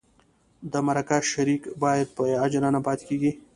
د مرکه شریک باید بې اجره نه پاتې کېږي.